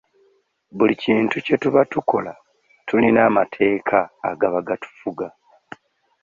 Buli kintu kye tuba tukola tulina amateeka agaba gatufuga.